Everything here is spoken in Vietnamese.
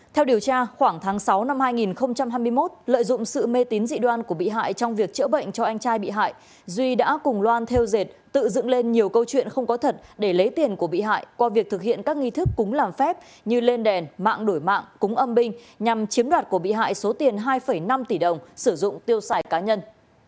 theo điều tra khoảng tháng sáu năm hai nghìn hai mươi một lợi dụng sự mê tín dị đoan của bị hại trong việc chữa bệnh cho anh trai bị hại duy đã cùng loan theo dệt tự dựng lên nhiều câu chuyện không có thật để lấy tiền của bị hại qua việc thực hiện các nghi thức cúng làm phép như lên đèn mạng đổi mạng cúng âm binh nhằm chiếm đoạt của bị hại số tiền hai năm tỷ đồng sử dụng tiêu xài cá nhân